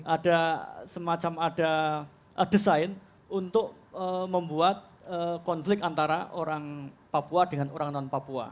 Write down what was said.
ada semacam ada desain untuk membuat konflik antara orang papua dengan orang non papua